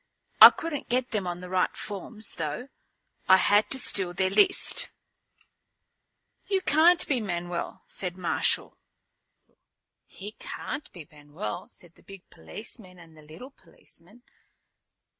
I couldn't get them on the right forms, though. I had to steal their list." "You can't be Manuel," said Marshal. "He can't be Manuel," said the big policemen and the little policeman.